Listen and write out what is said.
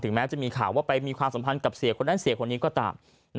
แม้จะมีข่าวว่าไปมีความสัมพันธ์กับเสียคนนั้นเสียคนนี้ก็ตาม